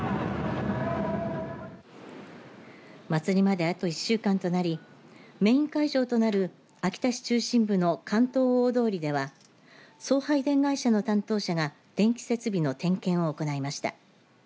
祭りまであと１週間となりメイン会場となる秋田市中心部の竿燈大通りでは送配電会社の担当者が電気設備の点検を行いました。